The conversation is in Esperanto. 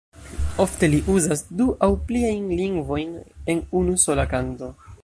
Ofte li uzas du aŭ pliajn lingvojn en unusola kanto.